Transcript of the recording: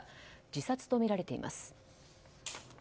自殺とみられています。